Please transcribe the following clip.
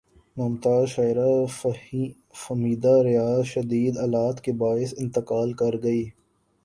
ممتاز شاعرہ فہمیدہ ریاض شدید علالت کے باعث انتقال کر گئیں